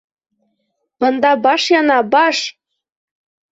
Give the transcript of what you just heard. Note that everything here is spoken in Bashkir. Бында баш яна, баш!